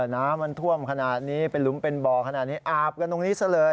น้ำมันท่วมขนาดนี้เป็นหลุมเป็นบ่อขนาดนี้อาบกันตรงนี้ซะเลย